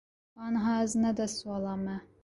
Aniha ez ne destvala me.